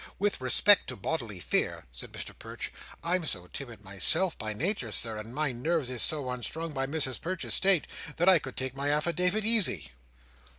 With respect to bodily fear," said Mr Perch, "I'm so timid, myself, by nature, Sir, and my nerves is so unstrung by Mrs Perch's state, that I could take my affidavit easy."